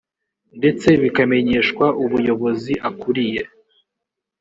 ndetse bikamenyeshwa ubuyobozi akuriye